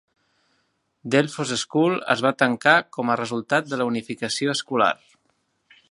Delphos School es va tancar com a resultat de la unificació escolar.